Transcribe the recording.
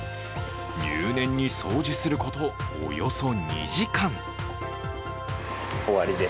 入念に掃除することおよそ２時間。